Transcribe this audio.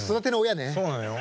そうなのよ。